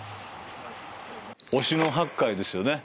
忍野八海ですよね。